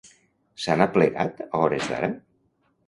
S'han aplegat, a hores d'ara?